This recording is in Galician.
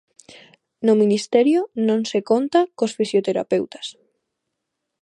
No Ministerio non se conta cos fisioterapeutas.